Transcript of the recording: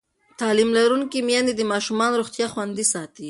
تعلیم لرونکې میندې د ماشومانو روغتیا خوندي ساتي.